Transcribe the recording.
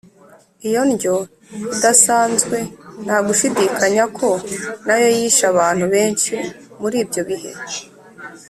Iyo ndyo idasanzwe nta gushidikanya ko nayo yishe abantu benshi muri ibyo bihe.